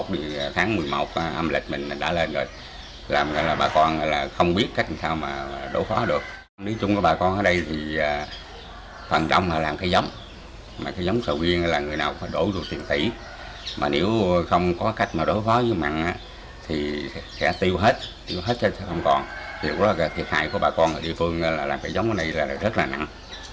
điều đó là thiệt hại của bà con ở địa phương là làm cái giống này là rất là nặng